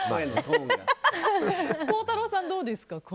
孝太郎さん、どうですか？